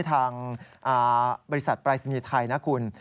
ทางบริษัทปรายศนีย์ไทยนะคุณ